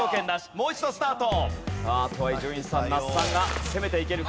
もう一度スタート。